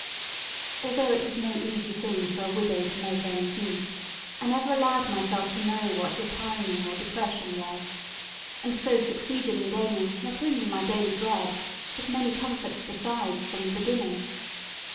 Although it was no easy thing for a widow to make ends meet, I never allowed myself to know what repining or depression was, and so succeeded in gaining not only my daily bread, but many comforts besides from the beginning.